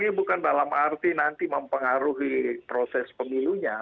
ini bukan dalam arti nanti mempengaruhi proses pemilunya